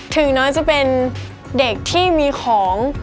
ถึงน้อยจะเป็นเด็กที่มีของ